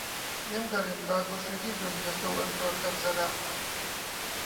لێم گەڕێن با گۆشەگیر بم دەستەوئەژنۆ کەفزەنان